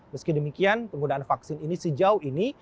meski demikian penggunaan vaksin ini sejauh ini